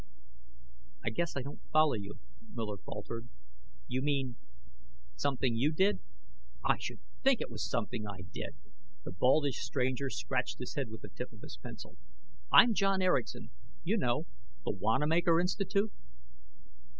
"I guess I don't follow you," Miller faltered. "You mean something you did " "I should think it was something I did!" The baldish stranger scratched his head with the tip of his pencil. "I'm John Erickson you know, the Wanamaker Institute."